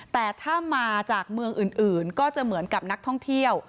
แต่ถ้ามาจากเมืองอื่นก็จะเหมือนกับนักท่องเที่ยว